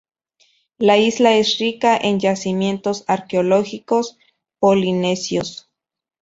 La isla es rica en yacimientos arqueológicos polinesios.